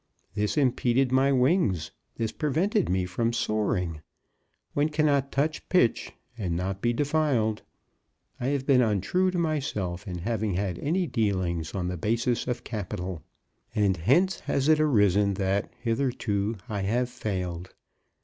This impeded my wings. This prevented me from soaring. One cannot touch pitch and not be defiled. I have been untrue to myself in having had any dealings on the basis of capital; and hence has it arisen that hitherto I have failed.